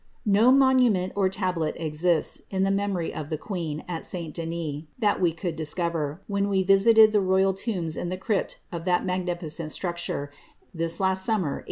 No monument or tablet exists, to the memory of the queen, at St. ^is, that we could discover, when we visited the royal tombs in the ypt of that magnificent structure, this last summer, 1844.